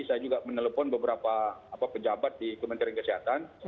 saya juga menelpon beberapa pejabat di kementerian kesehatan